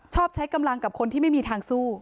ใช้กำลังกับคนที่ไม่มีทางสู้